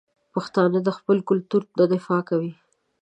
پښتانه د خپل کلتور نه دفاع کوي.